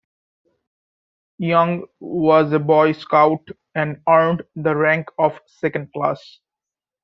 Young was a Boy Scout and earned the rank of Second Class.